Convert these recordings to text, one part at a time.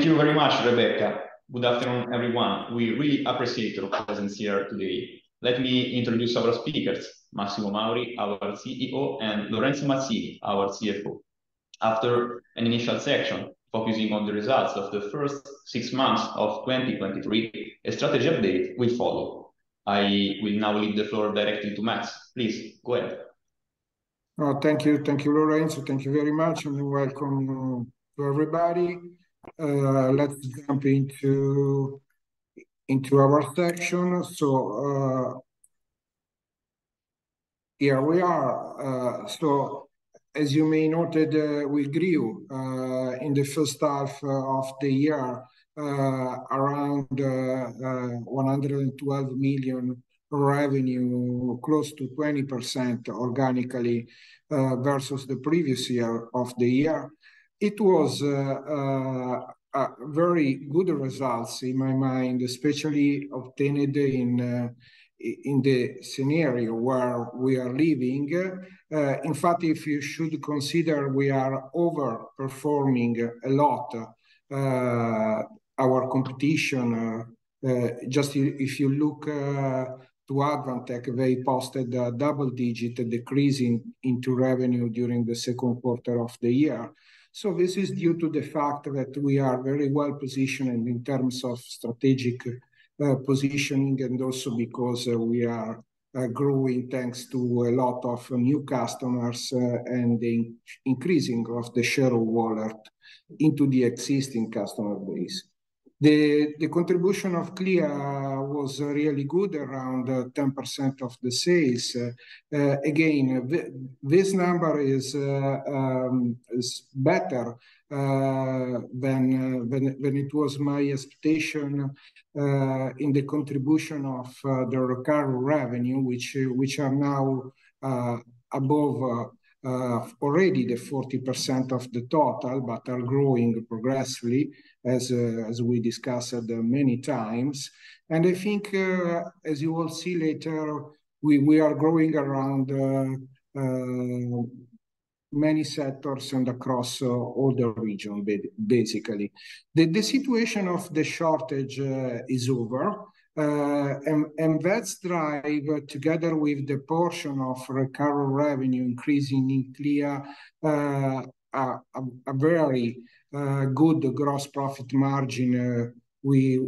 Thank you very much, Rebecca. Good afternoon, everyone. We really appreciate your presence here today. Let me introduce our speakers, Massimo Mauri, our CEO, and Lorenzo Mazzini, our CFO. After an initial section focusing on the results of the first six months of 2023, a strategy update will follow. I will now leave the floor directly to Max. Please, go ahead. Thank you. Thank you, Lorenzo. Thank you very much, and welcome to everybody. Let's jump into our section. So, here we are. So as you may noted, we grew in the first half of the year, around 112,000,000 revenue, close to 20% organically, versus the previous year of the year. It was a very good results in my mind, especially obtained in the scenario where we are living. In fact, if you should consider, we are overperforming a lot our competition. Just if you look to Advantech, they posted a double-digit decrease in revenue during the second quarter of the year. So this is due to the fact that we are very well positioned in terms of strategic positioning, and also because we are growing, thanks to a lot of new customers, and the increasing of the share of wallet into the existing customer base. The contribution of Clea was really good, around 10% of the sales. Again, this number is better than it was my expectation in the contribution of the recurrent revenue, which are now above already the 40% of the total, but are growing progressively, as we discussed many times. And I think, as you will see later, we are growing around many sectors and across all the region, basically. The situation of the shortage is over. And that drive, together with the portion of recurrent revenue increasing in Clea, a very good gross profit margin. We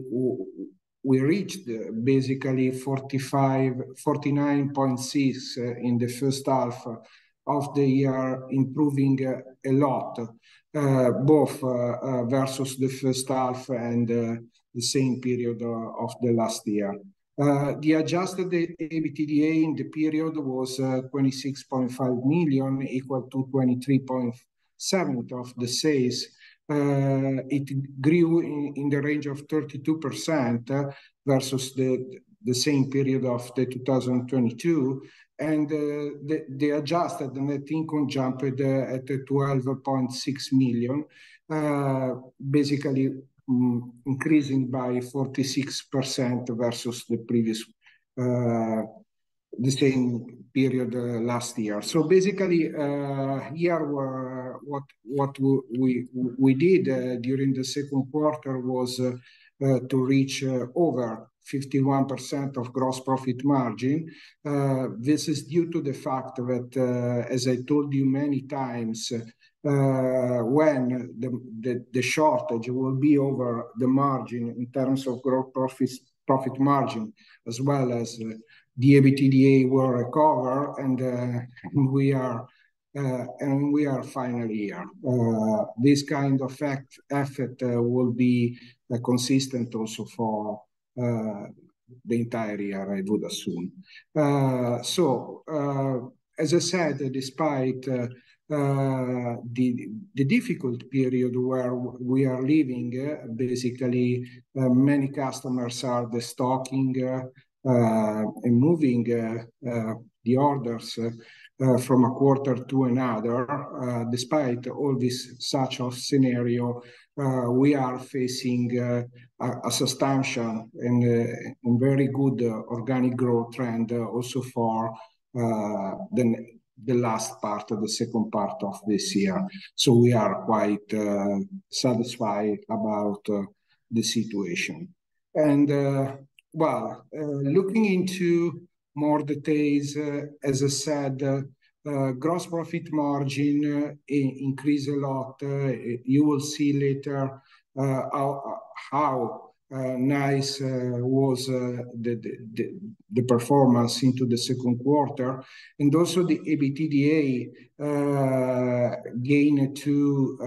reached basically 45-49.6% in the first half of the year, improving a lot both versus the first half and the same period of the last year. The adjusted EBITDA in the period was 26,500,000, equal to 23.7% of the sales. It grew in the range of 32% versus the same period of 2022. And the adjusted net income jumped at 12,600,000, basically increasing by 46% versus the previous same period last year. So basically, what we did during the second quarter was to reach over 51% of gross profit margin. This is due to the fact that, as I told you many times, when the shortage will be over, the margin in terms of gross profits, profit margin, as well as the EBITDA, will recover, and we are finally here. This kind of effort will be consistent also for the entire year, I would assume. So, as I said, despite the difficult period where we are living, basically, many customers are destocking and moving the orders from a quarter to another. Despite all this sort of scenario we are facing, a substantial and very good organic growth trend also for the last part or the second part of this year. So we are quite satisfied about the situation. Well, looking into more details, as I said, gross profit margin increased a lot. You will see later how nice was the performance into the second quarter. And also the EBITDA gained to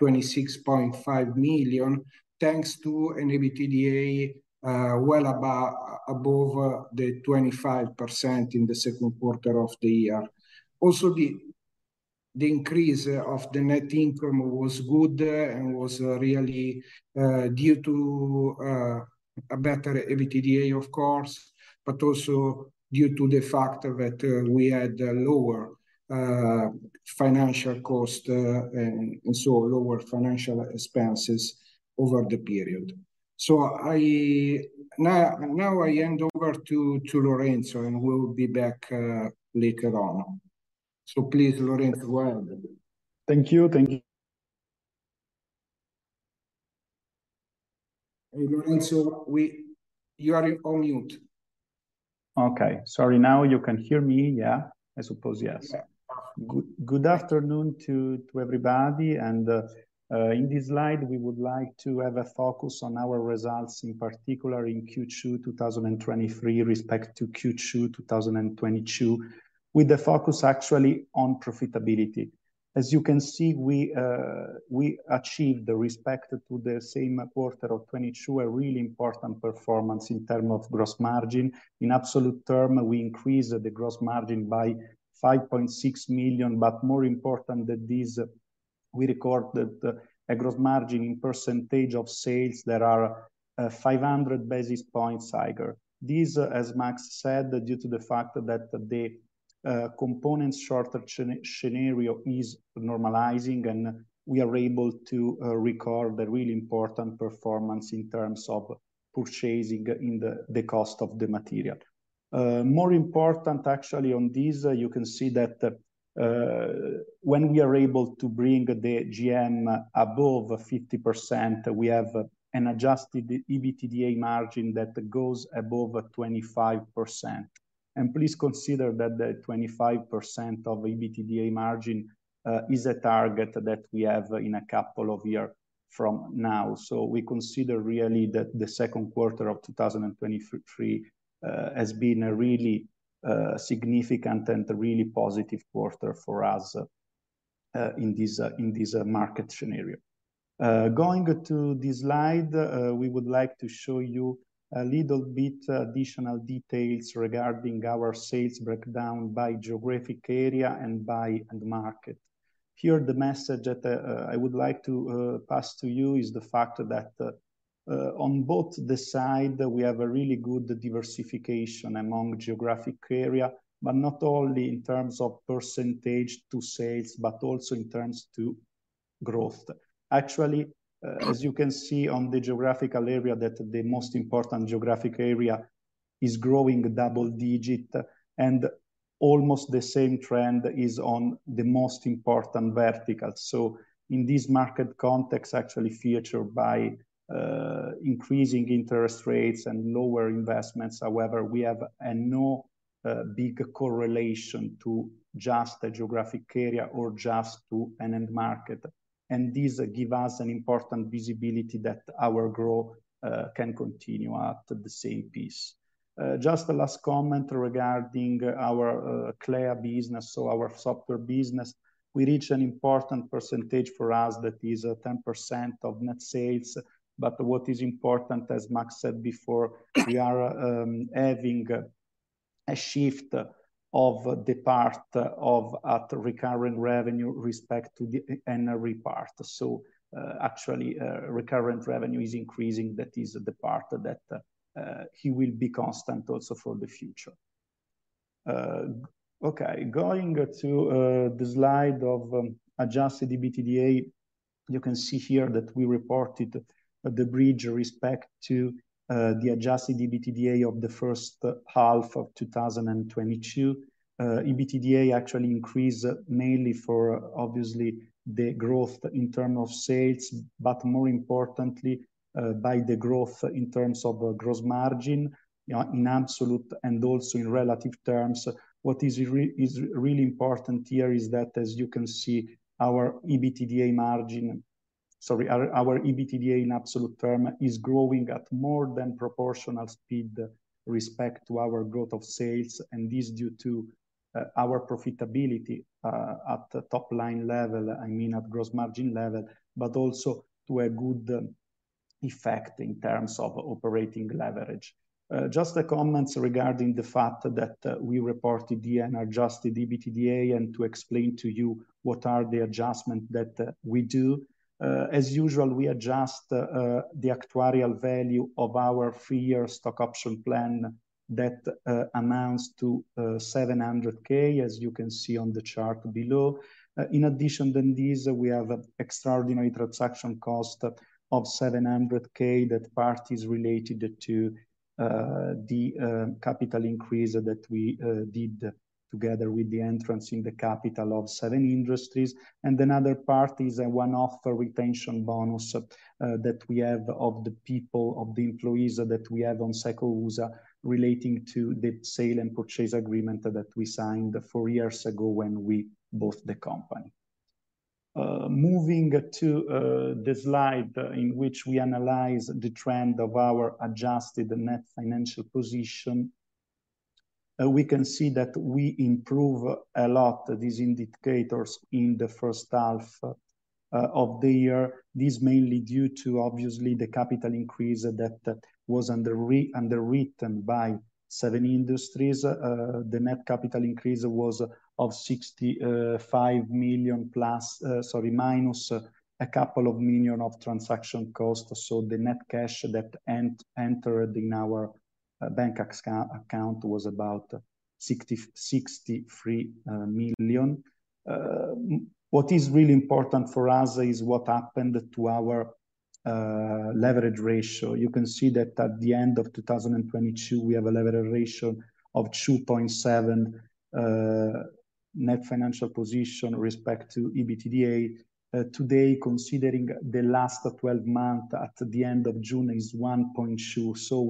26,500,000, thanks to an EBITDA well above 25% in the second quarter of the year. Also, the increase of the net income was good, and was really due to a better EBITDA, of course, but also due to the fact that we had a lower financial cost, and so lower financial expenses over the period. So I... Now I hand over to Lorenzo, and we will be back later on.... So please, Lorenzo, go ahead. Thank you. Thank you. Hey, Lorenzo, you are on mute. Okay. Sorry, now you can hear me, yeah? I suppose, yes. Yeah. Good afternoon to everybody, and in this slide, we would like to have a focus on our results, in particular in Q2 2023, respect to Q2 2022, with the focus actually on profitability. As you can see, we achieved the respect to the same quarter of 2022, a really important performance in term of gross margin. In absolute term, we increased the gross margin by 5,600,000, but more important than this, we recorded a gross margin in percentage of sales that are 500 basis points higher. This, as Max said, due to the fact that the component shortage scenario is normalizing, and we are able to record a really important performance in terms of purchasing in the cost of the material. More important actually on this, you can see that, when we are able to bring the GM above 50%, we have an adjusted EBITDA margin that goes above 25%. And please consider that the 25% of EBITDA margin is a target that we have in a couple of year from now. So we consider really that the second quarter of 2023 has been a really significant and a really positive quarter for us, in this, in this market scenario. Going to this slide, we would like to show you a little bit additional details regarding our sales breakdown by geographic area and by end market. Here, the message that I would like to pass to you is the fact that on both the side, we have a really good diversification among geographic area, but not only in terms of percentage to sales, but also in terms to growth. Actually, as you can see on the geographical area, that the most important geographic area is growing double digit, and almost the same trend is on the most important vertical. So in this market context, actually featured by increasing interest rates and lower investments, however, we have no big correlation to just a geographic area or just to an end market. And this give us an important visibility that our growth can continue at the same pace. Just a last comment regarding our Clea business, so our software business. We reached an important percentage for us, that is 10% of net sales. But what is important, as Max said before, we are having a shift of the part of at recurring revenue respect to the NRE part. So, actually, recurrent revenue is increasing. That is the part that he will be constant also for the future. Okay, going to the slide of Adjusted EBITDA, you can see here that we reported the bridge respect to the Adjusted EBITDA of the first half of 2022. EBITDA actually increased mainly for obviously the growth in term of sales, but more importantly, by the growth in terms of gross margin in absolute and also in relative terms. What is really important here is that, as you can see, our EBITDA margin... Sorry, our EBITDA in absolute term is growing at more than proportional speed respect to our growth of sales, and this due to our profitability at the top line level, I mean at gross margin level, but also to a good effect in terms of operating leverage. Just a comments regarding the fact that we reported the unadjusted EBITDA, and to explain to you what are the adjustment that we do. As usual, we adjust the actuarial value of our three-year stock option plan that amounts to 700,000, as you can see on the chart below. In addition than this, we have extraordinary transaction cost of 700,000, that part is related to the capital increase that we did together with the entrance in the capital of 7 Industries. Another part is a one-off retention bonus that we have of the people, of the employees that we have on SECO USA, relating to the sale and purchase agreement that we signed four years ago when we bought the company. Moving to the slide in which we analyze the trend of our adjusted net financial position, we can see that we improve a lot these indicators in the first half of the year. This mainly due to, obviously, the capital increase that was underwritten by 7 Industries. The net capital increase was of 65,000,000 plus, sorry, minus a couple of million of transaction costs. So the net cash that entered in our bank account was about 63,000,000. What is really important for us is what happened to our leverage ratio. You can see that at the end of 2022, we have a leverage ratio of 2.7, net financial position with respect to EBITDA. Today, considering the last 12 months, at the end of June, is 1.2. So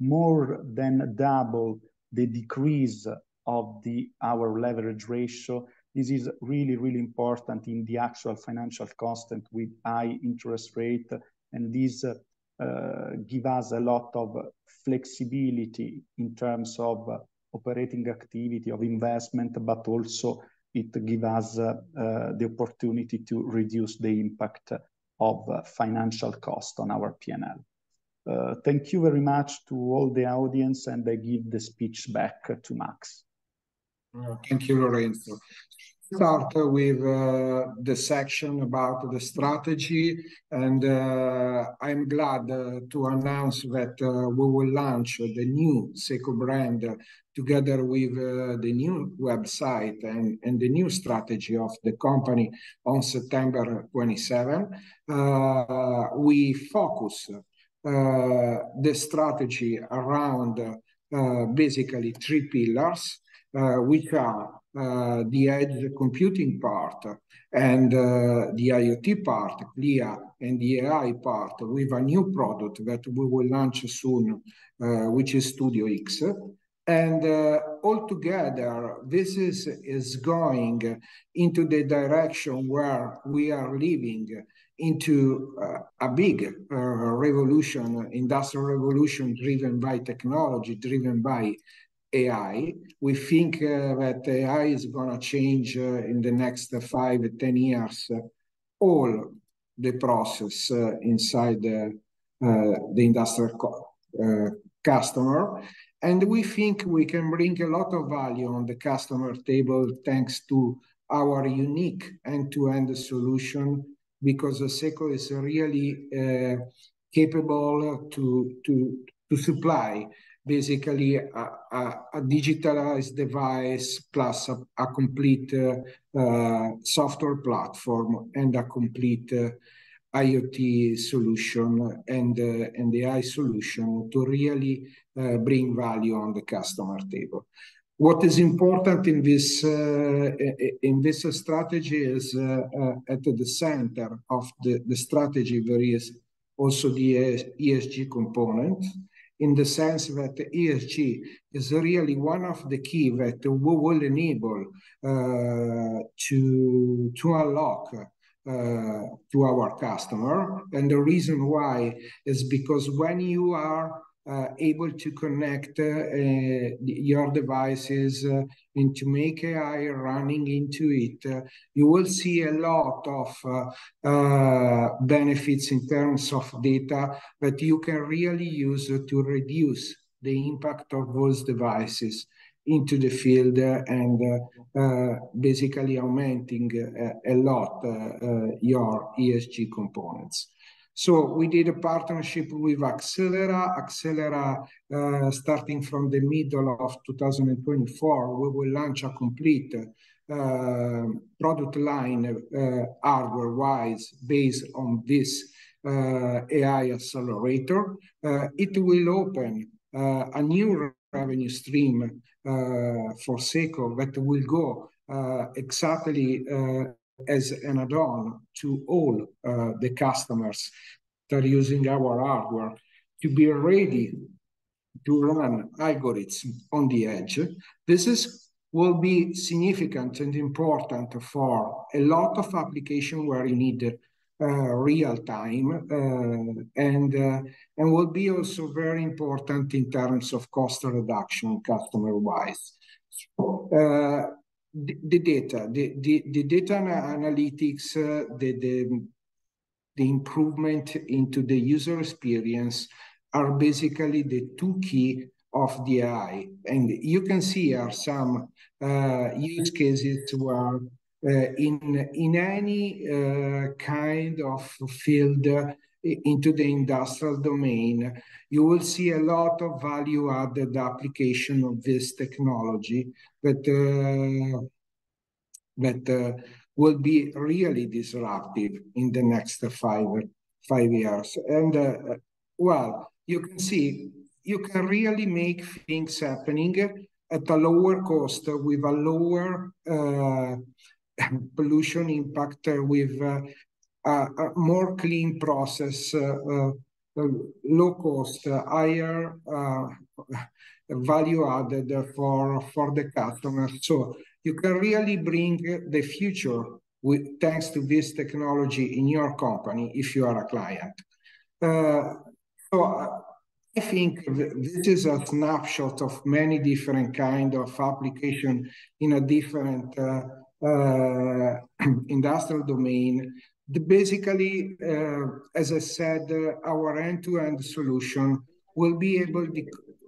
we more than double the decrease of the, our leverage ratio. This is really, really important in the actual financial cost and with high interest rate. And this, give us a lot of flexibility in terms of operating activity, of investment, but also it give us, the opportunity to reduce the impact of financial cost on our PNL. Thank you very much to all the audience, and I give the speech back to Max. Thank you, Lorenzo. Start with the section about the strategy, and I'm glad to announce that we will launch the new SECO brand together with the new website and the new strategy of the company on September 27. We focus the strategy around basically three pillars, which are the edge computing part and the IoT part, Clea, and the AI part, with a new product that we will launch soon, which is StudioX. Altogether, this is going into the direction where we are leading into a big revolution, industrial revolution, driven by technology, driven by AI. We think that AI is gonna change in the next 5-10 years all the process inside the industrial customer. We think we can bring a lot of value on the customer table, thanks to our unique end-to-end solution, because SECO is really capable to supply basically a digitalized device, plus a complete software platform and a complete IoT solution, and an AI solution to really bring value on the customer table. What is important in this strategy is, at the center of the strategy, there is also the ESG component, in the sense that ESG is really one of the key that will enable to unlock to our customer. The reason why is because when you are able to connect your devices and to make AI running into it, you will see a lot of benefits in terms of data that you can really use to reduce the impact of those devices into the field and basically augmenting a lot your ESG components. So we did a partnership with Axelera. Axelera, starting from the middle of 2024, we will launch a complete product line hardware-wise, based on this AI accelerator. It will open a new revenue stream for SECO, that will go exactly as an add-on to all the customers that are using our hardware, to be ready to run algorithms on the edge. This is... will be significant and important for a lot of application where you need real time, and will be also very important in terms of cost reduction, customer-wise. So, the data analytics, the improvement into the user experience are basically the two key of the AI. And you can see here are some use cases where in any kind of field into the industrial domain, you will see a lot of value-added application of this technology that will be really disruptive in the next five years. And well, you can see, you can really make things happening at a lower cost, with a lower pollution impact, with a more clean process, low cost, higher value added for the customer. So you can really bring the future with... thanks to this technology in your company, if you are a client. So I think this is a snapshot of many different kind of application in a different industrial domain. Basically, as I said, our end-to-end solution will be able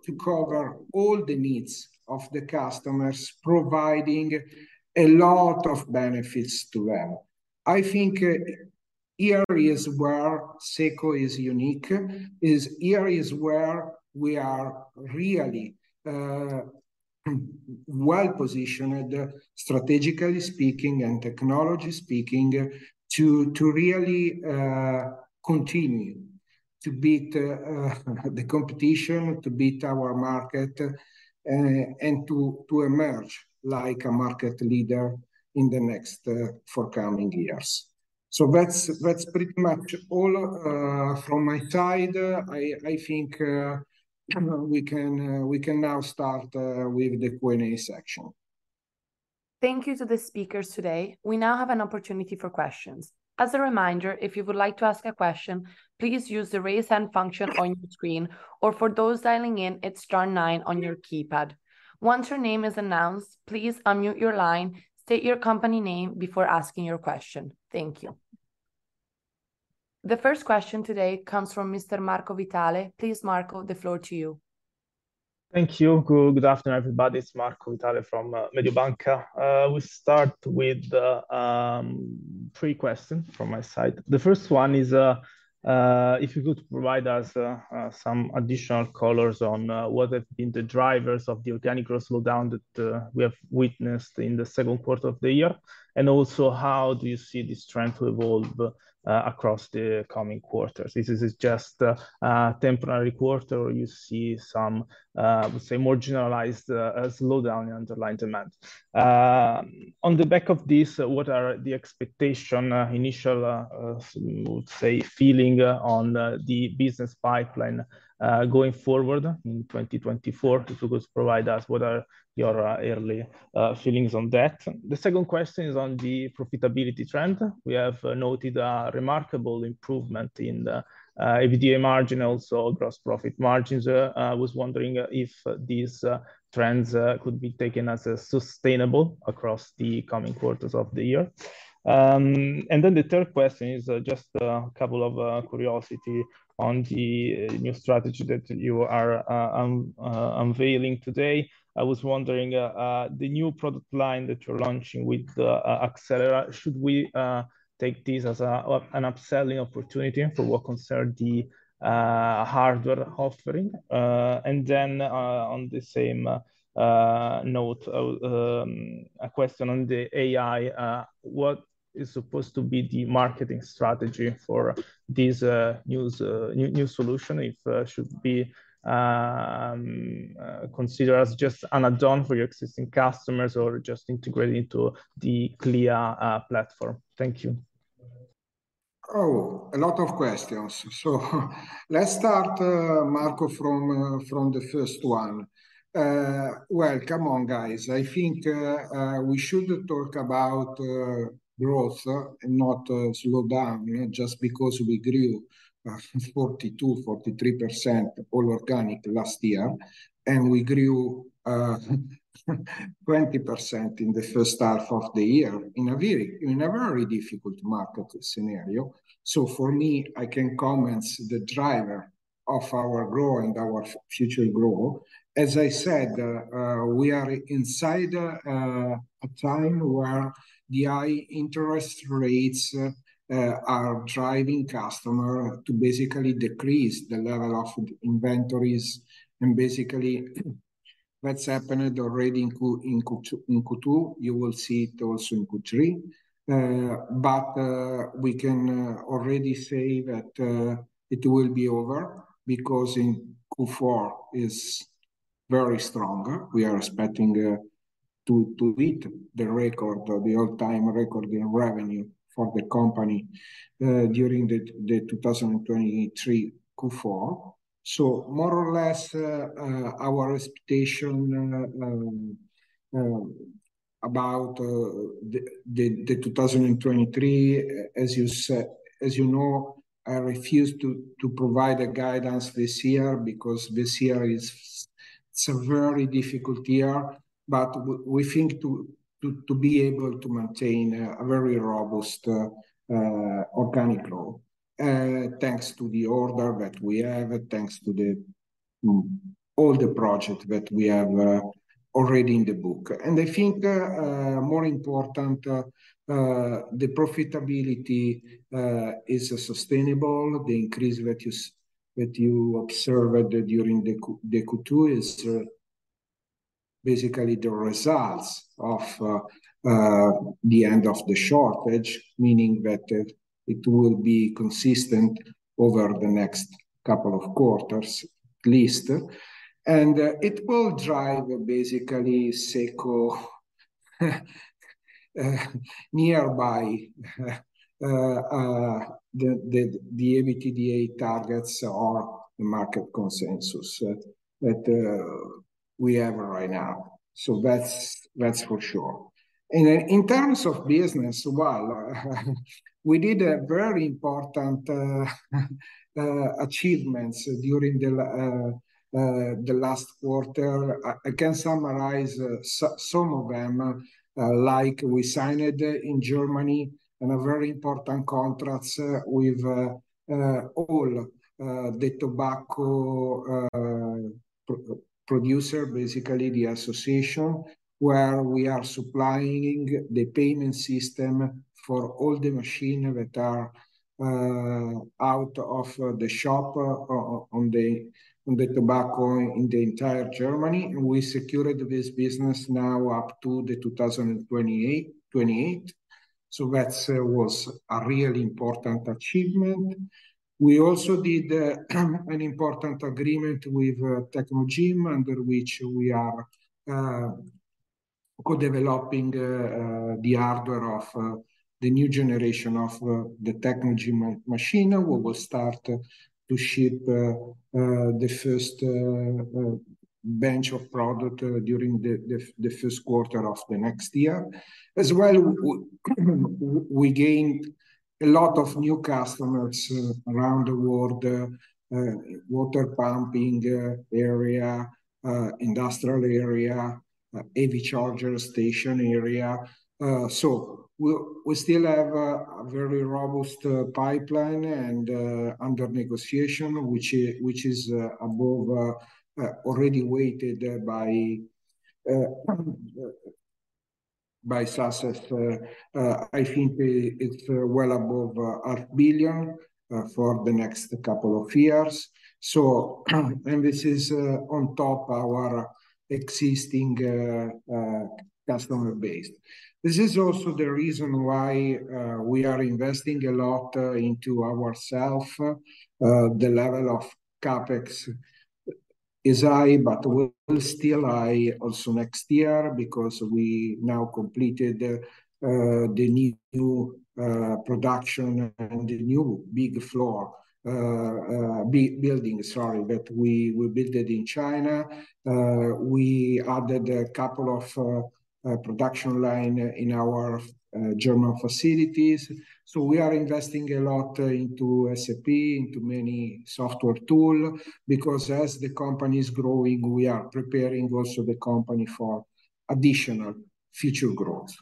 to cover all the needs of the customers, providing a lot of benefits to them. I think, here is where SECO is unique, here is where we are really well-positioned, strategically speaking, and technology speaking, to really continue to beat the competition, to beat our market, and to emerge like a market leader in the next four coming years. So that's pretty much all from my side. I think we can now start with the Q&A section. Thank you to the speakers today. We now have an opportunity for questions. As a reminder, if you would like to ask a question, please use the Raise Hand function on your screen, or for those dialing in, it's star nine on your keypad. Once your name is announced, please unmute your line, state your company name before asking your question. Thank you. The first question today comes from Mr. Marco Vitale. Please, Marco, the floor to you. Thank you. Good, good afternoon, everybody. It's Marco Vitale from Mediobanca. We start with 3 questions from my side. The first one is, if you could provide us some additional colors on what have been the drivers of the organic growth slowdown that we have witnessed in the second quarter of the year, and also, how do you see this trend to evolve across the coming quarters? This is just a temporary quarter, or you see some, let's say, more generalized slowdown in underlying demand. On the back of this, what are the expectation, initial, we would say, feeling on the business pipeline going forward in 2024? If you could provide us what are your early feelings on that. The second question is on the profitability trend. We have noted a remarkable improvement in the EBITDA margin, also gross profit margins. I was wondering if these trends could be taken as sustainable across the coming quarters of the year. And then the third question is just a couple of curiosity on the new strategy that you are unveiling today. I was wondering the new product line that you're launching with Axelera, should we take this as a an upselling opportunity for what concerns the hardware offering? And then on the same note a question on the AI: What is supposed to be the marketing strategy for this new solution? If should be considered as just an add-on for your existing customers or just integrated into the Clea platform? Thank you. Oh, a lot of questions. So let's start, Marco, from the first one. Well, come on, guys, I think we should talk about growth and not slowdown, just because we grew 42%-43% all organic last year, and we grew 20% in the first half of the year in a very- in a very difficult market scenario. So for me, I can comment the driver of our growth and our future growth. As I said, we are inside a time where the high interest rates are driving customer to basically decrease the level of inventories, and basically, that's happened already in Q2. You will see it also in Q3. But we can already say that it will be over, because in Q4 is very strong. We are expecting to beat the record, the all-time record in revenue for the company, during the 2023 Q4. So more or less, our expectation about the 2023, as you said. As you know, I refuse to provide a guidance this year, because this year is, it's a very difficult year. But we think to be able to maintain a very robust organic growth, thanks to the order that we have, thanks to all the projects that we have already in the book. And I think more important, the profitability is sustainable. The increase that you observed during the Q2 is basically the results of the end of the shortage, meaning that it will be consistent over the next couple of quarters at least. And it will drive basically SECO nearby the EBITDA targets or the market consensus that we have right now. So that's for sure. And in terms of business, well, we did a very important achievements during the last quarter. I can summarize some of them, like we signed in Germany and a very important contracts with all the tobacco producer, basically the association, where we are supplying the payment system for all the machine that are out of the shop on the tobacco in the entire Germany. We secured this business now up to 2028. So that was a really important achievement. We also did an important agreement with Technogym, under which we are co-developing the hardware of the new generation of the technology machine. We will start to ship the first batch of product during the first quarter of the next year. As well, we gained a lot of new customers around the world, water pumping area, industrial area, EV charger station area. So we still have a very robust pipeline and under negotiation, which is already weighted by success. I think it's well above 500,000,000 for the next couple of years. So, and this is on top our existing customer base. This is also the reason why we are investing a lot into ourself. The level of CapEx is high, but will still high also next year, because we now completed the new production and the new big building, sorry, that we built it in China. We added a couple of production line in our German facilities. So we are investing a lot into SAP, into many software tool, because as the company is growing, we are preparing also the company for additional future growth.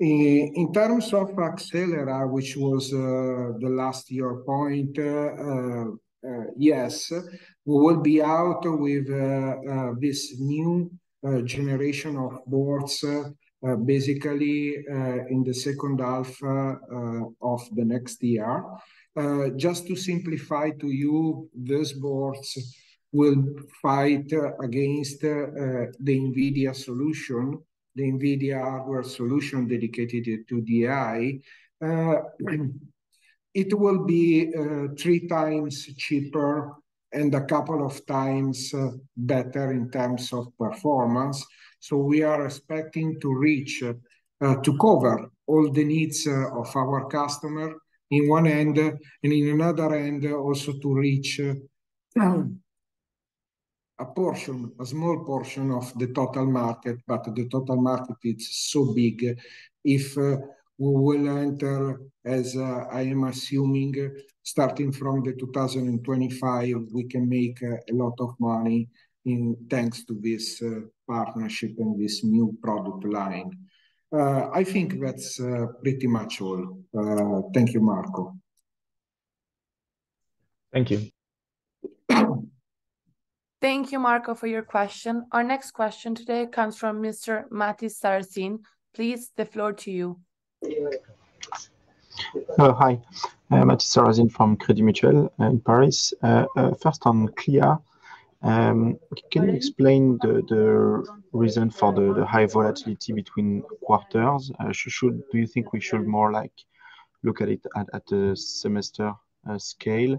In terms of Axelera, which was the last year point, yes, we will be out with this new generation of boards, basically, in the second half of the next year. Just to simplify to you, these boards will fight against the NVIDIA solution, the NVIDIA hardware solution dedicated to the AI. It will be three times cheaper and a couple of times better in terms of performance. So we are expecting to reach, to cover all the needs of our customer in one end, and in another end, also to reach, a portion, a small portion of the total market, but the total market, it's so big. If, we will enter as, I am assuming, starting from 2025, we can make, a lot of money in... thanks to this, partnership and this new product line. I think that's, pretty much all. Thank you, Marco. Thank you. Thank you, Marco, for your question. Our next question today comes from Mr. Matthis Sarrazin. Please, the floor to you. Hello. Hi, I am Matthis Sarrazin from Crédit Mutuel in Paris. First on Clea, can you explain the reason for the high volatility between quarters? Should, do you think we should more, like, look at it at the semester scale?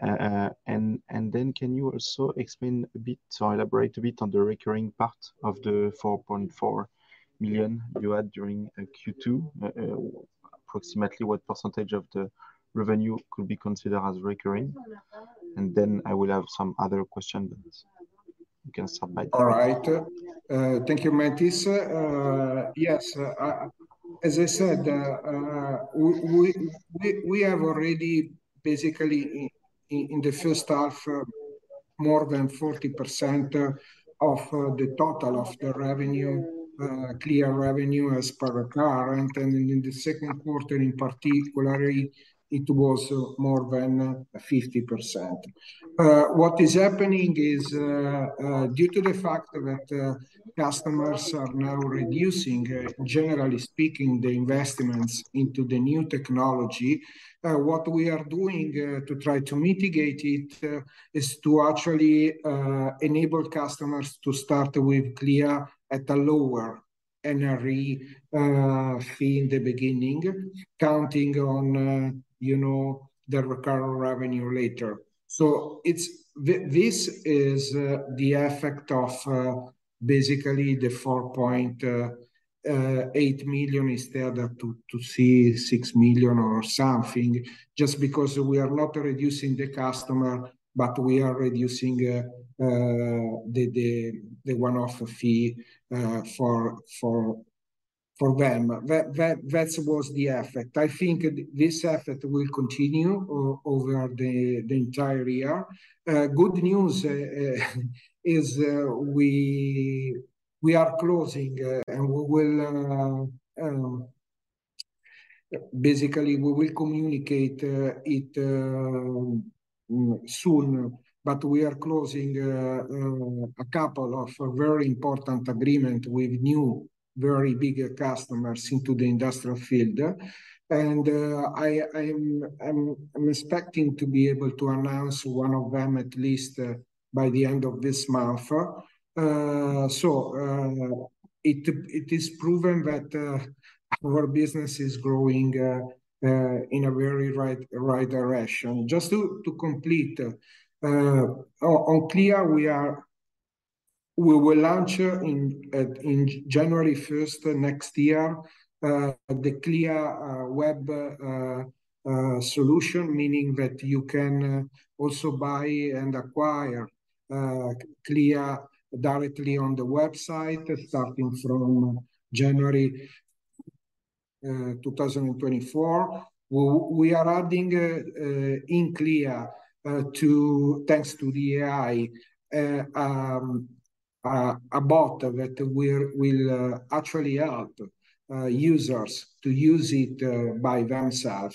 And then can you also explain a bit, or elaborate a bit on the recurring part of the 4,400,000 you had during Q2? Approximately what percentage of the revenue could be considered as recurring? And then I will have some other questions. You can start by- All right. Thank you, Mathis. Yes, as I said, we have already basically in the first half, more than 40% of the total of the revenue, Clea revenue as per current, and in the second quarter, in particular, it was more than 50%. What is happening is due to the fact that customers are now reducing, generally speaking, the investments into the new technology, what we are doing to try to mitigate it is to actually enable customers to start with Clea at a lower NRE fee in the beginning, counting on, you know, the recurrent revenue later. So it's... This is the effect of basically the 4,800,000 instead of 2,600,000 or something, just because we are not reducing the customer, but we are reducing the one-off fee for them. That was the effect. I think this effect will continue over the entire year. Good news is we are closing and we will basically communicate it soon. But we are closing a couple of very important agreement with new, very big customers into the industrial field. And I am expecting to be able to announce one of them, at least, by the end of this month. So, it is proven that our business is growing in a very right, right direction. Just to complete on Clea, we will launch in January 1st, next year, the Clea web solution, meaning that you can also buy and acquire Clea directly on the website, starting from January 2024. We are adding in Clea, to, thanks to the AI, a bot that will actually help users to use it by themself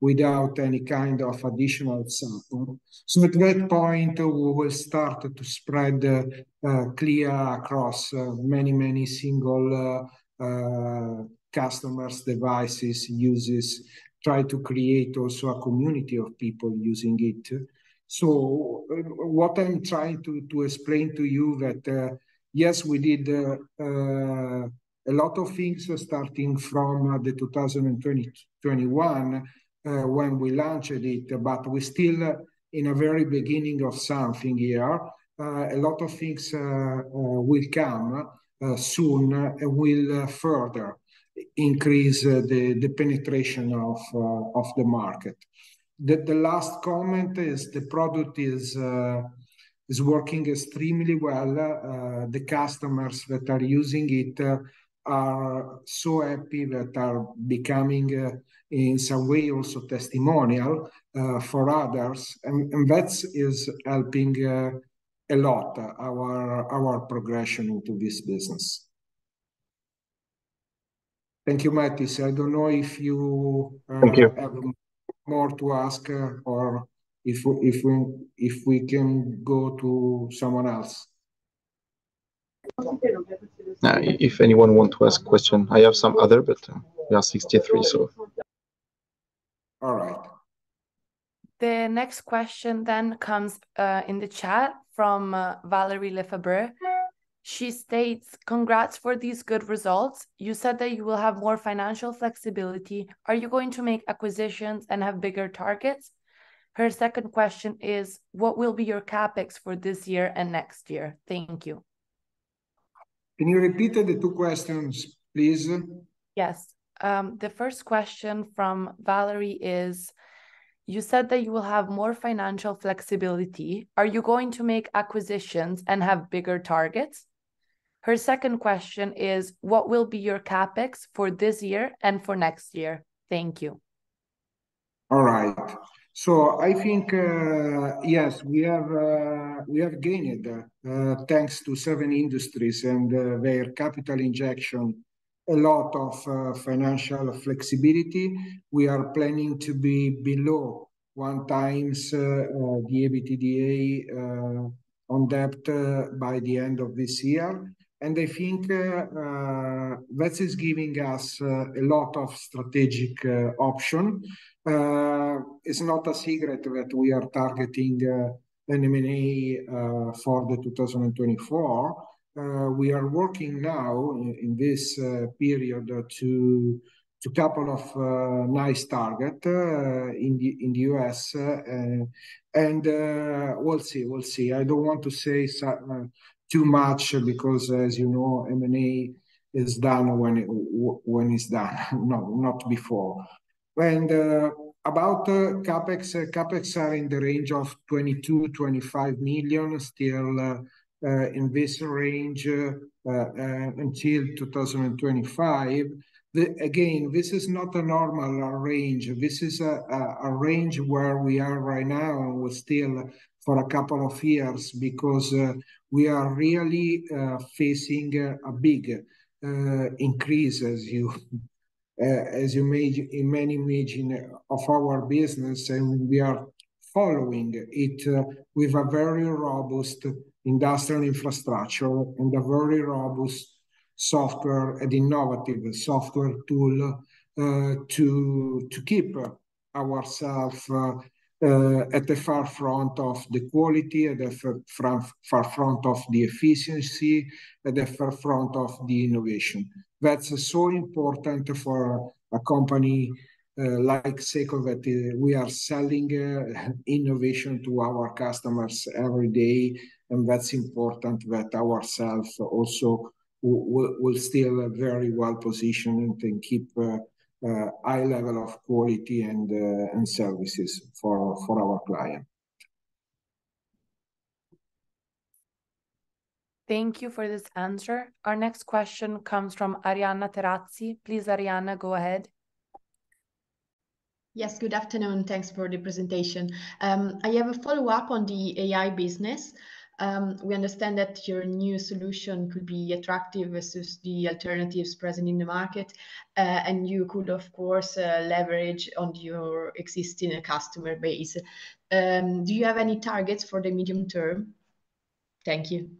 without any kind of additional sample. So at that point, we will start to spread the Clea across many, many single customers, devices, users. Try to create also a community of people using it. So what I'm trying to explain to you that yes, we did a lot of things starting from 2021 when we launched it, but we're still in the very beginning of something here. A lot of things will come soon, and will further increase the penetration of the market. The last comment is the product is working extremely well. The customers that are using it are so happy that are becoming in some way also testimonial for others. And that's helping a lot our progression into this business. Thank you, Mathis. I don't know if you- Thank you... have more to ask, or if we can go to someone else? Now, if anyone want to ask question, I have some other, but there are 63, so. All right. The next question then comes in the chat from Valerie Lefebvre. She states, "Congrats for these good results. You said that you will have more financial flexibility. Are you going to make acquisitions and have bigger targets?" Her second question is: "What will be your CapEx for this year and next year? Thank you. Can you repeat the two questions, please? Yes. The first question from Valerie is, "You said that you will have more financial flexibility. Are you going to make acquisitions and have bigger targets?" Her second question is: "What will be your CapEx for this year and for next year? Thank you. All right. So I think, yes, we have gained, thanks to 7 Industries and their capital injection, a lot of financial flexibility. We are planning to be below 1x the EBITDA on debt by the end of this year, and I think that is giving us a lot of strategic option. It's not a secret that we are targeting M&A for 2024. We are working now, in this period, to a couple of nice target in the U.S., and we'll see, we'll see. I don't want to say too much, because as you know, M&A is done when it's done, not before. About the CapEx, CapEx are in the range of 22,000,000-25,000,000, still, in this range, until 2025. Again, this is not a normal range. This is a, a range where we are right now, and will stay for a couple of years, because, we are really, facing, a big, increase, as you, as you may imagine of our business, and we are following it, with a very robust industrial infrastructure and a very robust software, and innovative software tool, to, to keep ourself, at the forefront of the quality, at the forefront of the efficiency, at the forefront of the innovation. That's so important for a company like SECO, that we are selling innovation to our customers every day, and that's important that ourselves also we're still very well positioned and keep a high level of quality and services for our client. Thank you for this answer. Our next question comes from Arianna Terazzi. Please, Arianna, go ahead. Yes, good afternoon. Thanks for the presentation. I have a follow-up on the AI business. We understand that your new solution could be attractive versus the alternatives present in the market, and you could, of course, leverage on your existing customer base. Do you have any targets for the medium term? Thank you.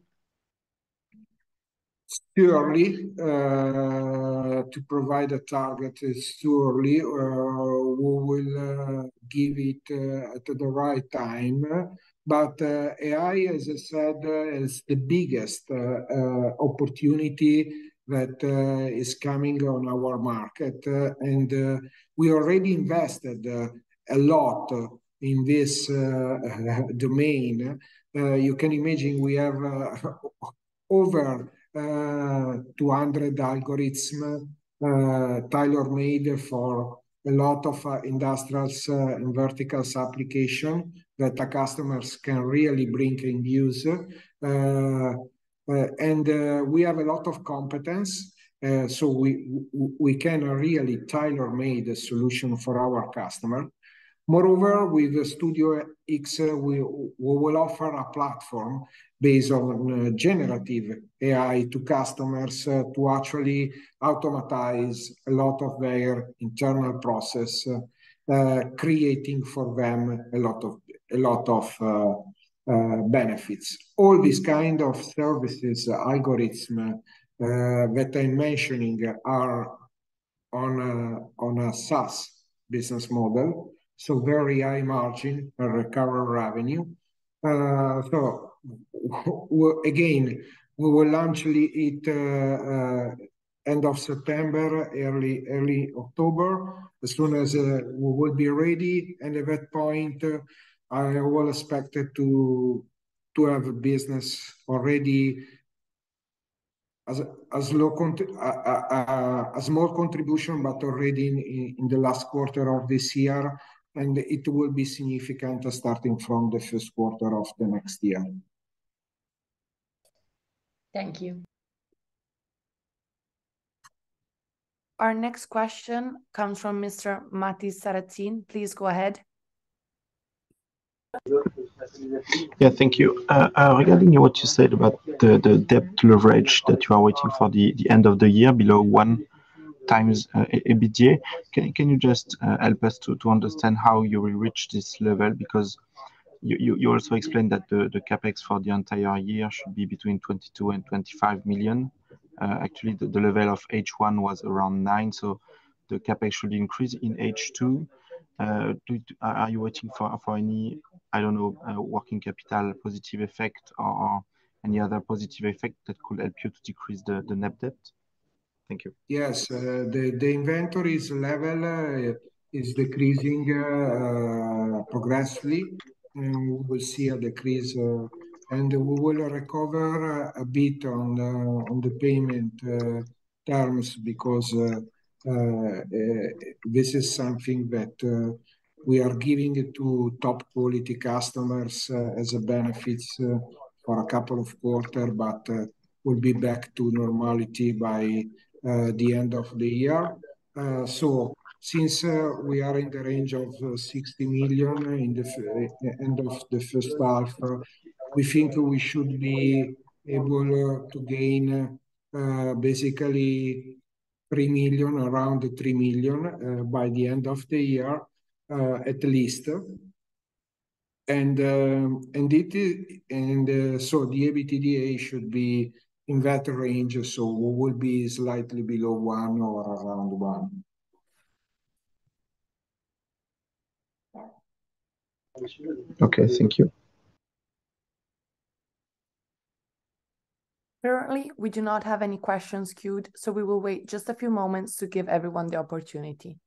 Surely, to provide a target is surely, we will give it at the right time. But, AI, as I said, is the biggest opportunity that is coming on our market, and we already invested a lot in this domain. You can imagine we have over 200 algorithms tailor-made for a lot of industrials and verticals application that the customers can really bring in use. And we have a lot of competence, so we can really tailor-made a solution for our customer. Moreover, with Studio X, we will offer a platform based on generative AI to customers, to actually automatize a lot of their internal process, creating for them a lot of benefits. All these kind of services, algorithms that I'm mentioning are on a SaaS business model, so very high margin and recurrent revenue. Again, we will launch it end of September, early October, as soon as we will be ready. And at that point, I well expected to have a business already as a small contribution, but already in the last quarter of this year, and it will be significant starting from the first quarter of the next year. Thank you. Our next question comes from Mr. Mathis Sarazin. Please go ahead. Yeah, thank you. Regarding what you said about the debt leverage, that you are waiting for the end of the year below 1x EBITDA, can you just help us to understand how you will reach this level? Because you also explained that the CapEx for the entire year should be between 22,000,000 and 25,000,000. Actually, the level of H1 was around 9,000,000, so the CapEx should increase in H2. Are you waiting for any, I don't know, working capital positive effect or any other positive effect that could help you to decrease the net debt? Thank you. Yes. The inventories level is decreasing progressively, and we will see a decrease, and we will recover a bit on the payment terms, because this is something that we are giving to top-quality customers as a benefits for a couple of quarter, but we'll be back to normality by the end of the year. So since we are in the range of 60,000,000 at the end of the first half, we think we should be able to gain basically 3,000,000, around 3,000,000, by the end of the year, at least. And so the EBITDA should be in that range, so we will be slightly below 1 or around 1. Okay, thank you. Currently, we do not have any questions queued, so we will wait just a few moments to give everyone the opportunity.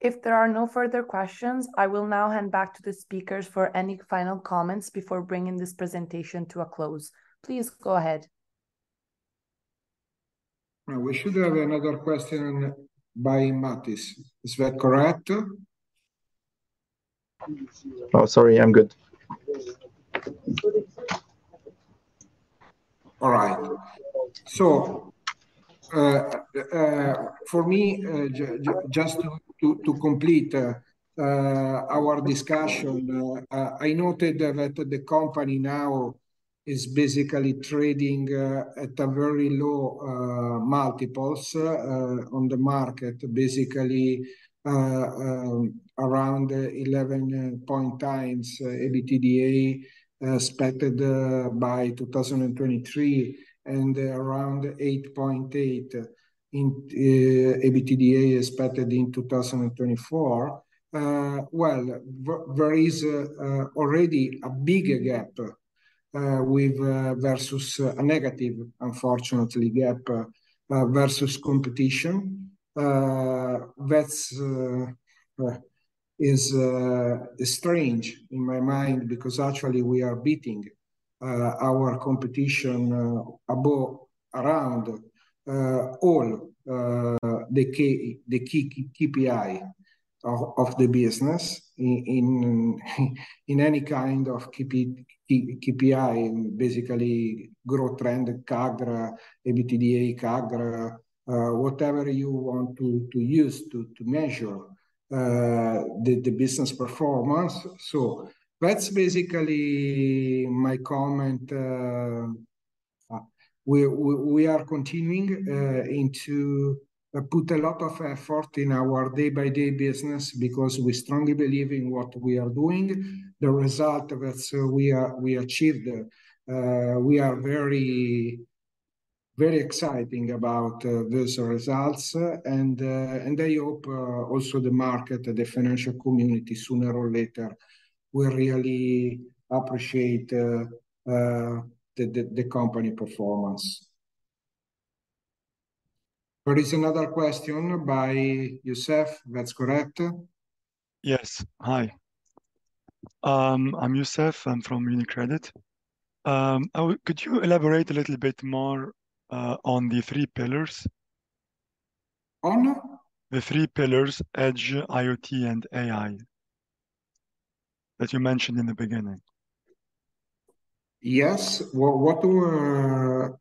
If there are no further questions, I will now hand back to the speakers for any final comments before bringing this presentation to a close. Please go ahead. We should have another question by Mathis. Is that correct? Oh, sorry, I'm good. All right. So, for me, just to complete our discussion, I noted that the company now is basically trading at a very low multiples on the market. Basically, around 11x EBITDA expected by 2023, and around 8.8x EBITDA expected in 2024. Well, there is already a big gap with versus a negative, unfortunately, gap versus competition. That's strange in my mind, because actually we are beating our competition above, around all the key KPI of the business, in any kind of KPI, basically growth trend, CAGR, EBITDA, CAGR, whatever you want to use to measure the business performance. So that's basically my comment. We are continuing to put a lot of effort in our day-by-day business because we strongly believe in what we are doing. The result that we achieved, we are very, very exciting about these results, and I hope also the market and the financial community, sooner or later, will really appreciate the company performance. There is another question by Youssef. That's correct? Yes. Hi. I'm Youssef, I'm from UniCredit. Could you elaborate a little bit more on the three pillars? On? The three pillars: Edge, IoT, and AI, that you mentioned in the beginning. Yes. Well,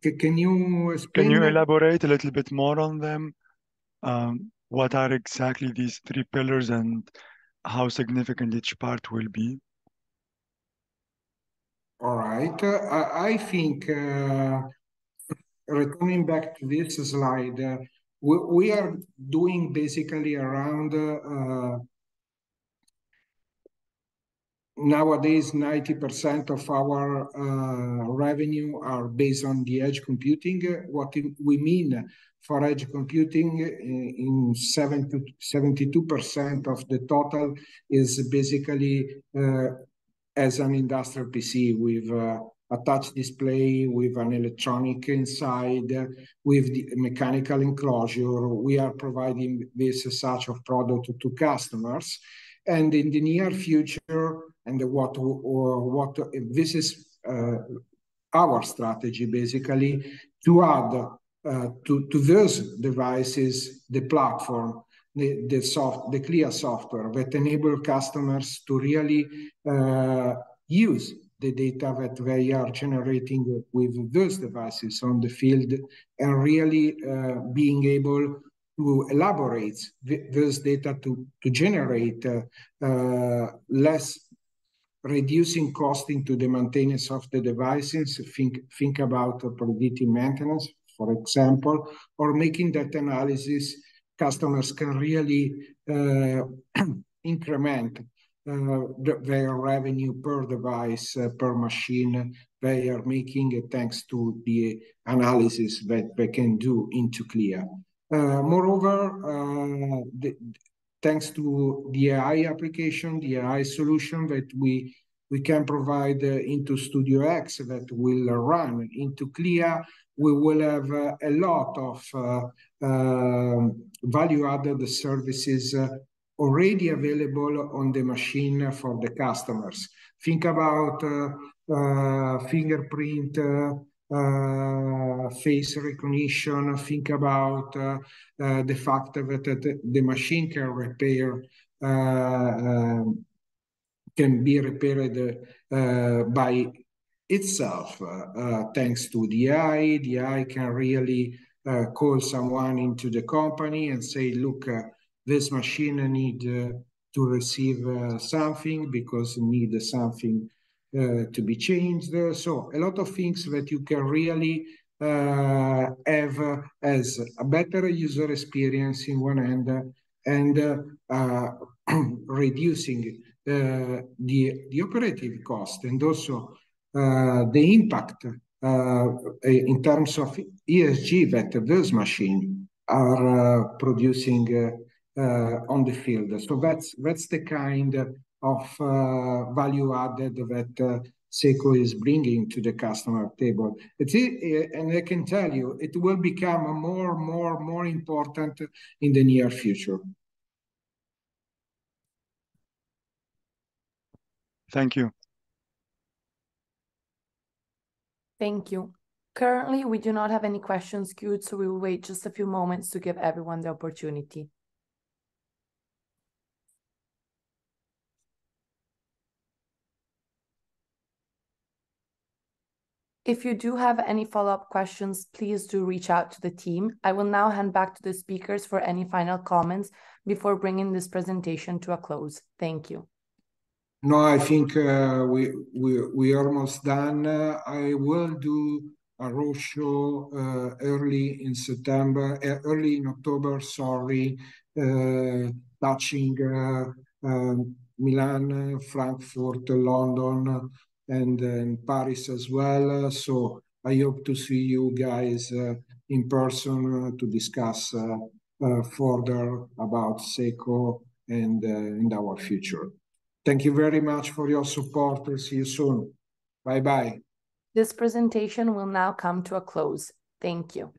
can you explain- Can you elaborate a little bit more on them? What are exactly these three pillars, and how significant each part will be? All right. I think, returning back to this slide, we are doing basically around, nowadays, 90% of our revenue are based on the edge computing. What we mean for edge computing, in 72% of the total is basically, as an industrial PC with a touch display, with electronics inside, with the mechanical enclosure. We are providing this as such a product to customers. And in the near future, this is our strategy basically, to add to those devices, the platform, the, the software, the Clea software, that enable customers to really use the data that they are generating with those devices on the field. And really, being able to elaborate those data to generate less... Reducing costing to the maintenance of the devices. Think about predictive maintenance, for example, or making that analysis. Customers can really increment their revenue per device per machine they are making, thanks to the analysis that they can do into Clea. Moreover, thanks to the AI application, the AI solution that we can provide into StudioX that will run into Clea, we will have a lot of value-added services already available on the machine for the customers. Think about fingerprint face recognition. Think about the fact that the machine can be repaired by itself thanks to the AI. The AI can really call someone into the company and say: "Look, this machine need to receive something, because it need something to be changed there." So a lot of things that you can really have as a better user experience in one end, and reducing the operative cost, and also the impact in terms of ESG, that those machine are producing on the field. So that's the kind of value added that SECO is bringing to the customer table. It's. And I can tell you, it will become more, more, more important in the near future. Thank you. Thank you. Currently, we do not have any questions queued, so we will wait just a few moments to give everyone the opportunity. If you do have any follow-up questions, please do reach out to the team. I will now hand back to the speakers for any final comments before bringing this presentation to a close. Thank you. No, I think, we are almost done. I will do a road show, early in September, early in October, sorry, touching, Milan, Frankfurt, London, and, Paris as well. So I hope to see you guys, in person, to discuss, further about SECO and, and our future. Thank you very much for your support, and see you soon. Bye-bye. This presentation will now come to a close. Thank you.